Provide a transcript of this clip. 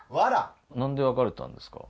何で別れたんですか？